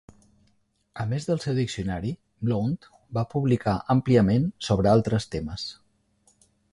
A més del seu diccionari, Blount va publicar àmpliament sobre altres temes.